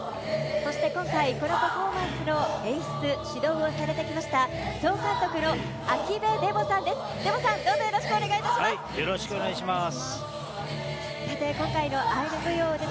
そして今回、このパフォーマンスの演出、指導をされてきました、総監督の秋辺デボさんです。